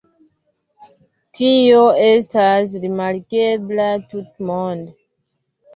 Tio estas rimarkebla tutmonde.